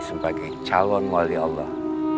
sebagai calon wali allah